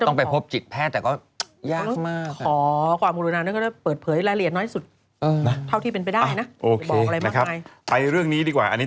นี่เราพูดถึงยุงนะฮะไม่ได้พูดถึงหนอนอฟริกัน